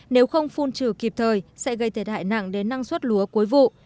nếu không phun trừ kịp thời sẽ gây thiệt hại nặng đến năng suất lúa cuối vụ